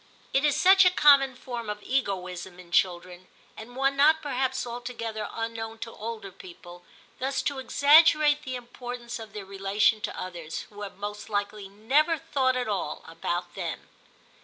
It is such a common form of egoism in children, and one not perhaps altogether unknown to VIII TIM 177 older people, thus to exaggerate the import ance of their relation to others, who have most likely never thought at all about them.